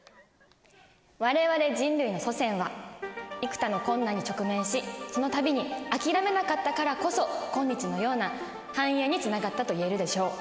我々人類の祖先は幾多の困難に直面しそのたびに諦めなかったからこそ今日のような繁栄につながったと言えるでしょう。